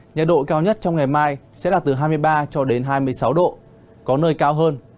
nhiệt độ cao nhất trong ngày mai sẽ là từ hai mươi ba cho đến hai mươi sáu độ có nơi cao hơn